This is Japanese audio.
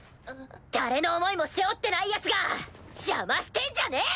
誰の思いも背負ってないヤツが邪魔してんじゃねぇ！